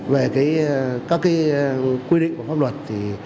về các quy định của pháp luật